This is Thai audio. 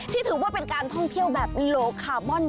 ถือว่าเป็นการท่องเที่ยวแบบโลคาร์บอน